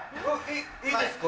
いいですか？